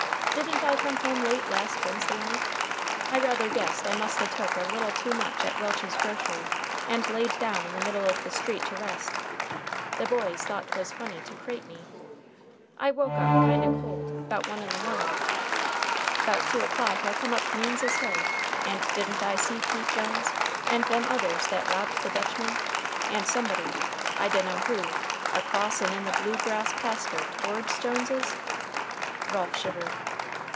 Didn't I come home late last Wednesday night? I rather guess I must a took a little too much at Welch's grocery, and laid down in the middle of the street to rest. The boys thought 'twas funny to crate me. I woke up kind o' cold, 'bout one in the mornin.' 'Bout two o'clock I come up Means's hill, and didn't I see Pete Jones, and them others that robbed the Dutchman, and somebody, I dunno who, a crossin' the blue grass paster towards Jones's?" (Ralph shivered.)